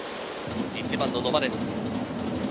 １番の野間です。